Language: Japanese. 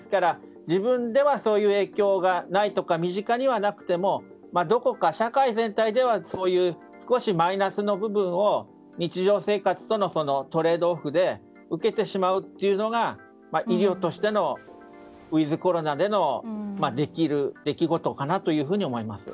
自分ではそういう影響がないとか身近にはなくてもどこか社会全体では少しマイナスの部分を日常生活とのトレードオフで受けてしまうというのが医療としてのウィズコロナでのできる出来事かなと思います。